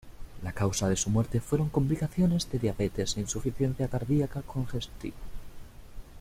La causa de su muerte fueron complicaciones de diabetes e insuficiencia cardíaca congestiva.